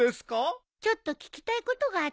ちょっと聞きたいことがあってさ。